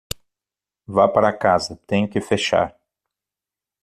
Vá para casa, tenho que fechar.